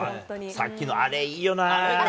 さっきのあれいいよなー。